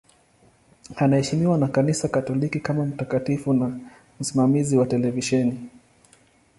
Anaheshimiwa na Kanisa Katoliki kama mtakatifu na msimamizi wa televisheni.